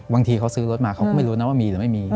บางทีเขาซื้อรถมาเขาก็ไม่รู้นะว่ามีหรือไม่มี